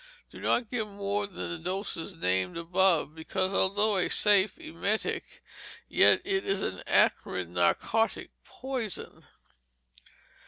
_ Do not give more than the doses named above, because, although a safe emetic, yet it is an acrid narcotic poison.